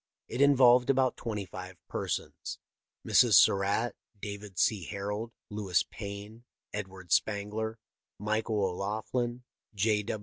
It involved about twenty five persons. Mrs. Surratt, David C. Harold, Lewis Payne, Edward Spangler, Michael O'Loughlin, J.